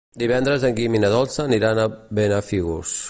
Divendres en Guim i na Dolça aniran a Benafigos.